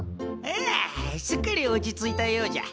ああすっかり落ち着いたようじゃ。